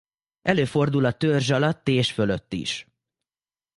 Előfordul a törzs alatt és fölött is.